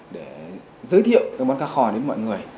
để giới thiệu các món cá kho đến mọi người